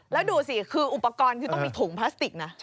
แล้วดูสิคืออุปกรณ์คือต้องมีถุงพลาสติกนะ